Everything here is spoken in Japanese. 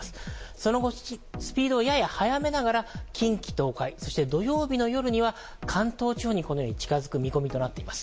その後、スピードをやや速めながら近畿・東海そして土曜日の夜には関東地方に近づく見込みとなっています。